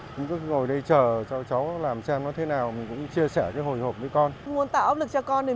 cũng cứ ngồi đây chờ cho cháu làm xem nó thế nào mình cũng chia sẻ cái hồi hộp với con